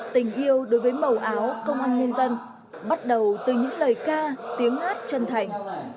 tình yêu đối với màu áo công an nhân dân bắt đầu từ những lời ca tiếng hát chân thành